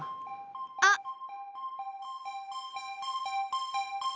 あっ！